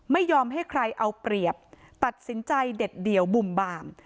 ไม่ยอมให้ใครเอาเปรียบตัดสินใจเด็ดเดี่ยวบุ่มบาม